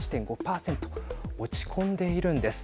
落ち込んでいるんです。